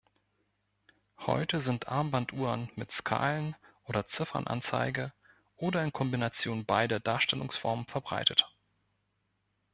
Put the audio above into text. Heute sind Armbanduhren mit Skalen- oder Ziffernanzeige oder in Kombination beider Darstellungsformen verbreitet.